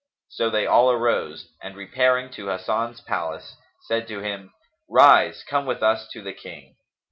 So they all arose and, repairing to Hasan's palace, said to him, "Rise, come with us to the King."